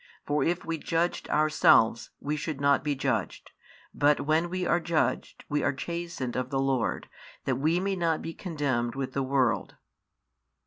For if we judged ourselves, we should not be judged. But when we are judged, we are chastened of the Lord, that we may not be condemned with the world.